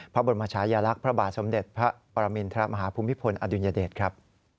พระบรมชายลักษณ์พระบาทสมเด็จพระปรมินทรมาฮภูมิพลอดุลยเดชครับ